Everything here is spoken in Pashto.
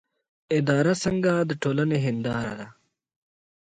اداره څنګه د ټولنې هنداره ده؟